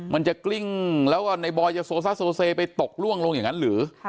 มันจะกลิ้งแล้วว่าในบอยจะโซซ่าโซเซไปตกล่วงลงอย่างนั้นหรือ